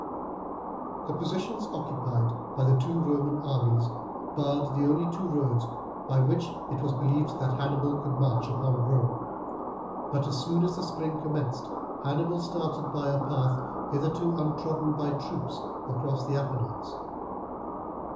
The position occupied by the two Roman armies barred the only two roads by which it was believed that Hannibal could march upon Rome, but as soon as the spring commenced Hannibal started by a path, hitherto untrodden by troops, across the Apennines.